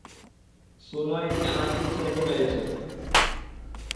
সুনয়নি আমার তিন ছেলেকে মেরেছে।